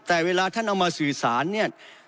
แต่เวลาท่านเอามาสื่อสาร